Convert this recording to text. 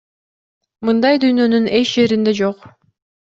Мындай дүйнөнүн эч жеринде жок.